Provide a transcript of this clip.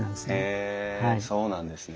へえそうなんですね。